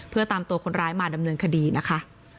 เพื่อตามตัวคนร้ายมาดำเนินคดีนะคะ